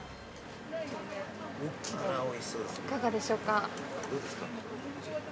◆いかがでしょうか。